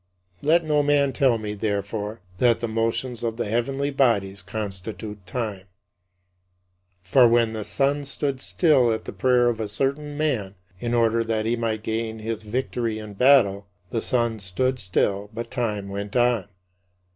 Let no man tell me, therefore, that the motions of the heavenly bodies constitute time. For when the sun stood still at the prayer of a certain man in order that he might gain his victory in battle, the sun stood still but time went on.